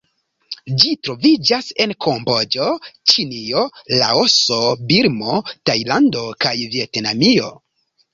Ĝi troviĝas en Kamboĝo, Ĉinio, Laoso, Birmo, Tajlando kaj Vjetnamio.